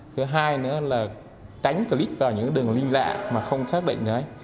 thứ hai nữa là tránh click vào những đường link lạ mà không xác định được ấy